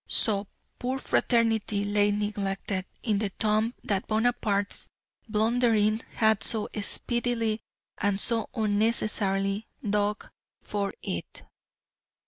So poor Fraternity lay neglected in the tomb that Bonaparte's blundering had so speedily and so unnecessarily dug for it.